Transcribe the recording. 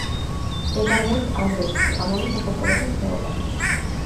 მდებარეობს ანდებში, ამავე სახელწოდების ხეობაში.